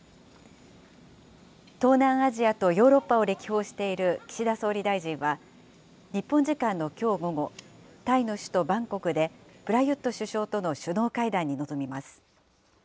東南アジアとヨーロッパを歴訪している岸田総理大臣は、日本時間のきょう午後、タイの首都バンコクでプラユット首相との首脳会談に臨みます。